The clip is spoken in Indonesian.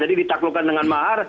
jadi ditaklukan dengan mahar